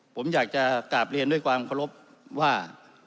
ผมอยากจะกราบเรียนด้วยความเคารพว่า